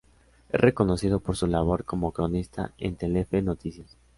Es reconocido por su labor como cronista en Telefe Noticias.